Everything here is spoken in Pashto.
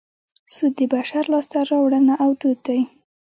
سود د بشر لاسته راوړنه او دود دی